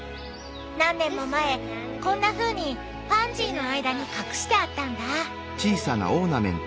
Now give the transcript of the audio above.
何年も前こんなふうにパンジーの間に隠してあったんだ。